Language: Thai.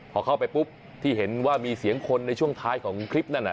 พอเข้าไปปุ๊บที่เห็นว่ามีเสียงคนในช่วงท้ายของคลิปนั่นน่ะ